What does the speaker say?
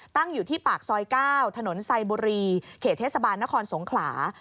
อยู่ที่ปากซอย๙ถนนไซบุรีเขตเทศบาลนครสงขลา